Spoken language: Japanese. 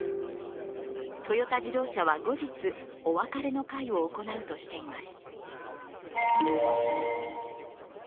トヨタ自動車は後日、お別れの会を行うとしています。